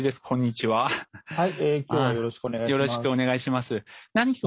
はい今日はよろしくお願いします。